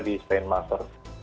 dan juga di spain masters